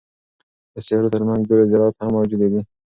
د سیارو ترمنځ دوړې ذرات هم موجود دي.